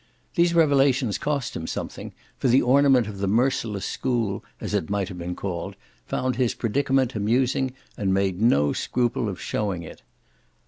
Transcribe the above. These revelations cost him something, for the ornament of the merciless school, as it might have been called, found his predicament amusing and made no scruple of showing it.